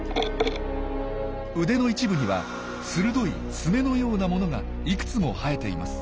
腕の一部には鋭い爪のようなものがいくつも生えています。